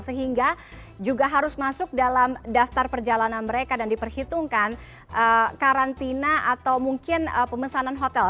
sehingga juga harus masuk dalam daftar perjalanan mereka dan diperhitungkan karantina atau mungkin pemesanan hotel